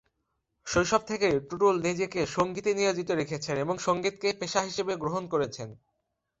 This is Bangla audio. শৈশব থেকেই টুটুল নিজেকে সঙ্গীতে নিয়োজিত রেখেছেন এবং সঙ্গীতকে পেশা হিসেবে গ্রহণ করেছেন।